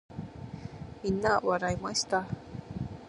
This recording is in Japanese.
皆は笑いました。